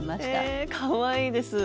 えかわいいです。